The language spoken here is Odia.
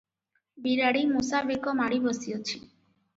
ବିରାଡ଼ି ମୂଷା ବେକ ମାଡ଼ି ବସିଅଛି ।